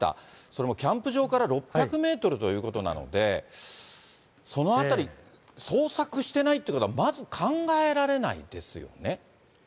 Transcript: それもキャンプ場から６００メートルということなので、そのあたり、捜索してないということは、まず考えられないですよね。